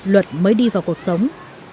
luật mới đi vào cuộc sống